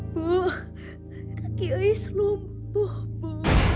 bu kakak iis lumpuh bu